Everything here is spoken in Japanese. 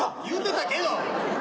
言うてたけど。